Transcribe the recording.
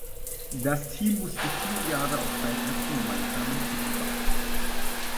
Das Team musste vier Jahre auf seinen ersten gemeinsamen Titel warten.